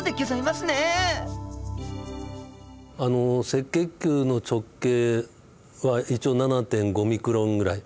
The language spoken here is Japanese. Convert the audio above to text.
赤血球の直径は一応７．５ミクロンぐらい。